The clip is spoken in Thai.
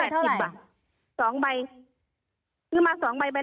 ค่ะ๒ใบซื้อมาเท่าไหร่